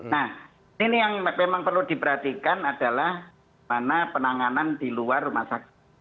nah ini yang memang perlu diperhatikan adalah mana penanganan di luar rumah sakit